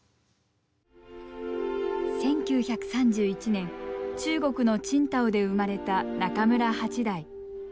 １９３１年中国の青島で生まれた中村八大。